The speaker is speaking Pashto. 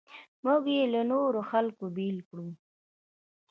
موږ یې له نورو خلکو بېل کړو.